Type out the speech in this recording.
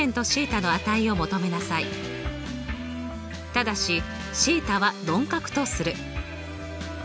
ただしθは鈍角とする。